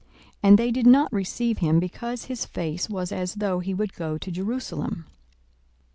42:009:053 And they did not receive him, because his face was as though he would go to Jerusalem.